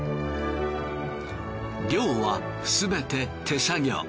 漁はすべて手作業。